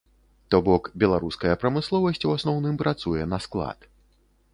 То бок, беларуская прамысловасць у асноўным працуе на склад.